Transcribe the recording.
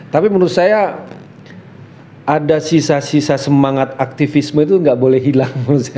tapi menurut saya ada sisa sisa semangat aktivisme itu gak boleh hilang